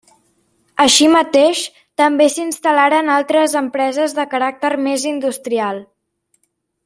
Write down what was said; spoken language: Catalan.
Així mateix també s'instal·laren altres empreses de caràcter més industrial.